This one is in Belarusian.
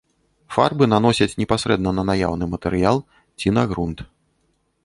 Фарбы наносяць непасрэдна на наяўны матэрыял ці на грунт.